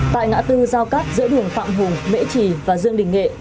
tại ngã tư giao cắt giữa đường phạm hùng mễ trì và dương đình nghệ